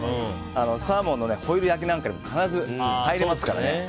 サーモンのホイル焼きなんかにも必ず入りますから。